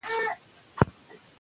نوښت پرمختګ ته لار هواروي.